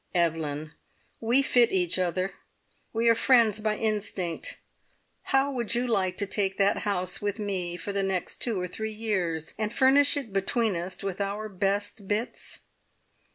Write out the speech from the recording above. "Evelyn, we fit each other; we are friends by instinct. How would you like to take that house with me for the next two or three years, and furnish it between us with our best `bits'?